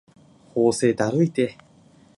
法政だるいて